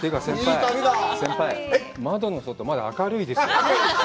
先輩、窓の外、まだ明るいですよ！